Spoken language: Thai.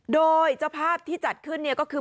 โดยเจ้าภาพที่จัดขึ้นเนี่ยก็คือ